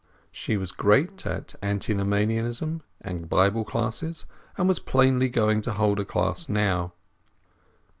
She was great at Antinomianism and Bible classes, and was plainly going to hold a class now.